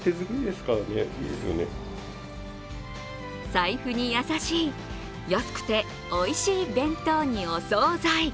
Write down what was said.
財布に優しい、安くておいしい弁当にお総菜。